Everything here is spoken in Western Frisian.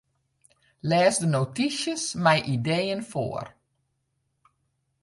Lês de notysjes mei ideeën foar.